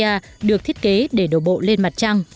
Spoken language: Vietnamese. tàu vũ trụ federacia được thiết kế để đổ bộ lên mặt trăng